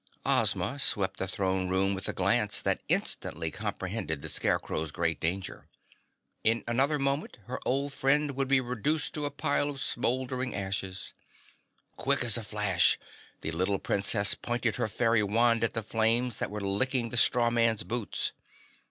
Ozma swept the throne room with a glance that instantly comprehended the Scarecrow's great danger. In another moment her old friend would be reduced to a pile of smoldering ashes. Quick as a flash, the little Princess pointed her fairy wand at the flames that were licking the straw man's boots.